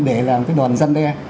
để làm cái đòn giăn đe